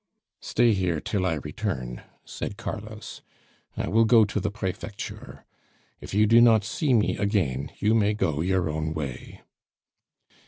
"Stay here till I return," said Carlos; "I will go to the Prefecture. If you do not see me again, you may go your own way."